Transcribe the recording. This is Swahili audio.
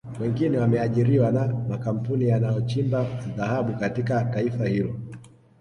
Wengine wameajiriwa na makampuni yanayochimba dhahabu katika taifa hilo